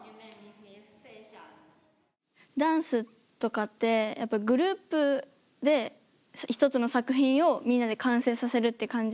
ダンスとかってやっぱグループで１つの作品をみんなで完成させるって感じだけど。